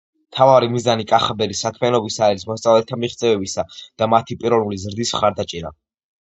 მთავარი მიზანი კახაბერის საქმიანობისა არის მოსწავლეთა მიღწევებისა და მათი პიროვნული ზრდის მხარდაჭერა